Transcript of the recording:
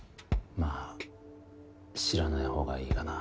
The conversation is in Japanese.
まあ知らないほうがいいかな。